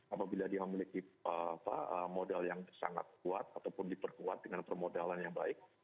apabila dia memiliki modal yang sangat kuat ataupun diperkuat dengan permodalan yang baik